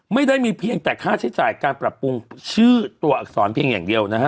ไม่ได้มีเพียงแต่ค่าใช้จ่ายการปรับปรุงชื่อตัวอักษรเพียงอย่างเดียวนะฮะ